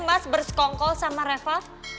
mas bersekongkol sama reva